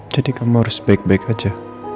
jadi kamu harus baik baik saja